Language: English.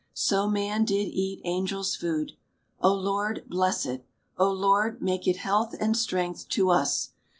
So man did eat angel's food. O Lord, bless it ! Lord, make it health and strength to us